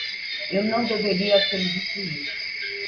Eu não deveria ter dito isso!